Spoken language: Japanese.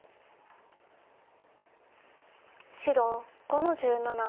白５の十七。